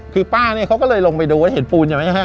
คือป้าเนี่ยเค้าก็เลยลงไปดูเห็นปูนไง